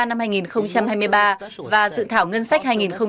năm hai nghìn hai mươi ba và dự thảo ngân sách hai nghìn hai mươi bốn